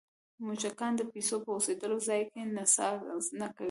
موږکان د پیسو په اوسېدلو ځای کې نڅا نه کوي.